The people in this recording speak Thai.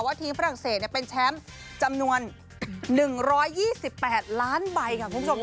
ทีมฝรั่งเศสเป็นแชมป์จำนวน๑๒๘ล้านใบค่ะคุณผู้ชม